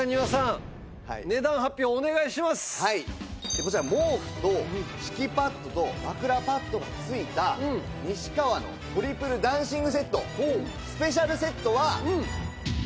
こちら毛布と敷きパッドと枕パッドが付いた西川のトリプル暖寝具セットスペシャルセットは。